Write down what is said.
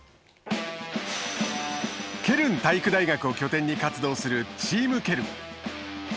ケルン体育大学を拠点に活動する、チームケルン。